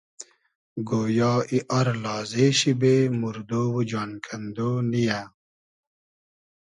گۉیا ای ار لازې شی بې موردۉ و جان کئندۉ نییۂ